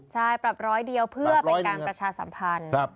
ใช่ปรับร้อยเดียวเพื่อเป็นการประชาสัมพันธ์